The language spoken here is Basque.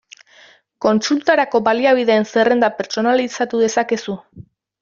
Kontsultarako baliabideen zerrenda pertsonalizatu dezakezu.